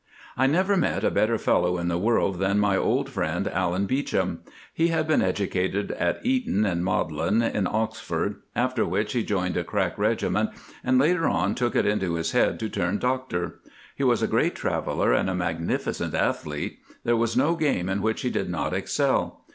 I never met a better fellow in the world than my old friend, Allan Beauchamp. He had been educated at Eton, and Magdalen at Oxford, after which he joined a crack regiment, and later on took it into his head to turn doctor. He was a great traveller and a magnificent athlete. There was no game in which he did not excel.